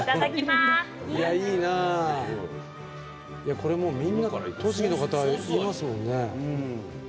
これも、みんな栃木の方は言いますもんね。